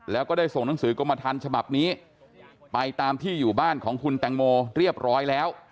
แล้วก็ได้ส่งหนังสือกรมทันฉบับนี้ไปตามที่อยู่บ้านของคุณแตงโมเรียบร้อยแล้ว